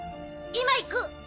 今行く！